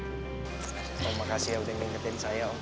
terima kasih ya udah ngingetin saya